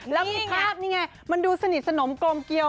แล้วมีภาพนี่ไงมันดูสนิทสนมกลมเกียว